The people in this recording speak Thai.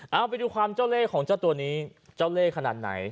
เอาไปดูความเจ้าเล่ของเจ้าตัวนี้เจ้าเล่ขนาดไหน